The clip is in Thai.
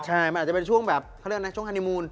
ใช่มันอาจจะเป็นช่วงแบบเขาเรียกนะช่วงฮานีมูล